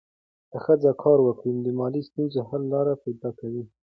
که ښځه کار وکړي، نو د مالي ستونزو حل لارې پیدا کوي.